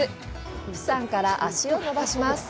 釜山から足を伸ばします。